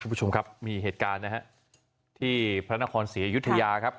คุณผู้ชมครับมีเหตุการณ์นะฮะที่พระนครศรีอยุธยาครับ